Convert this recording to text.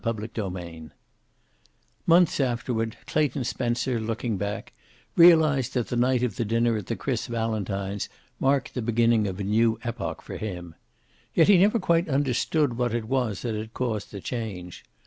CHAPTER VI Months afterward, Clayton Spencer, looking back, realized that the night of the dinner at the Chris Valentines marked the beginning of a new epoch for him. Yet he never quite understood what it was that had caused the change.